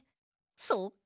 そっか。